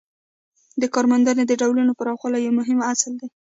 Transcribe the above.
د کارموندنې د ډولونو پراخوالی یو مهم اصل دی.